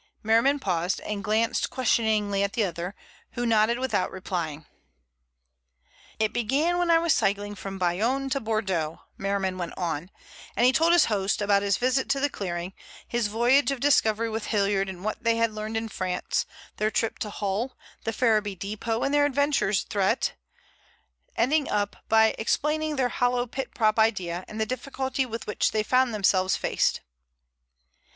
Merriman paused and glanced questioningly at the other, who nodded without replying. "It began when I was cycling from Bayonne to Bordeaux," Merriman went on, and he told his host about his visit to the clearing, his voyage of discovery with Hilliard and what they had learned in France, their trip to Hull, the Ferriby depot and their adventures thereat, ending up by explaining their hollow pit prop idea, and the difficulty with which they found themselves faced.